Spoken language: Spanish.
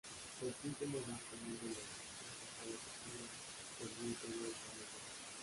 El síntoma más común de la encefalopatía por gluten es la migraña.